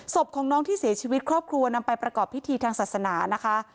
ศพของน้องที่เสียชีวิตครอบครัวนำไปประกอบพิธีทางศาสนานะคะ